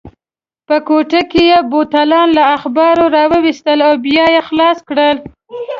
په کوټه کې یې بوتلان له اخبارو راوایستل او بیا یې خلاص کړل.